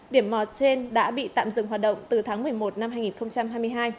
điểm mò trên đã bị tạm dừng hoạt động từ tháng một mươi một năm hai nghìn hai mươi hai